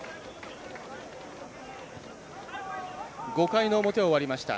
５回の表、終わりました。